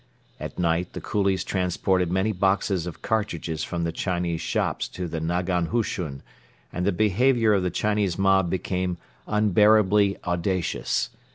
At night the coolies transported many boxes of cartridges from the Chinese shops to the nagan hushun and the behaviour of the Chinese mob became unbearably audacious.